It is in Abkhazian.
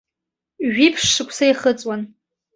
Жәиԥшь шықәса ихыҵуан.